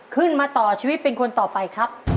ขึ้นมาต่อชีวิตเป็นคนต่อไปครับ